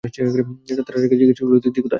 তাতা রাজাকে জিজ্ঞাসা করিল, দিদি কোথায়?